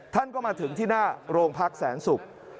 ท่านก็มาถึงที่หน้าโรงพักษณ์แสนสุข